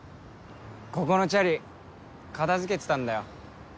ここのチャリ片付けてたんだよ。